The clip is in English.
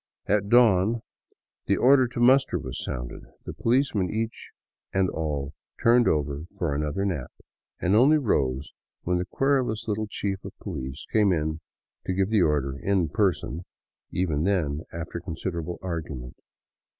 At dawn the order to muster was sounded. The policemen each and all turned over for another nap, and only rose when the querulous little chief of police came to give the order in person, even then after considerable argument.